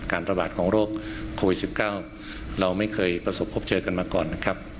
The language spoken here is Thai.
ระบาดของโรคโควิด๑๙เราไม่เคยประสบพบเจอกันมาก่อนนะครับ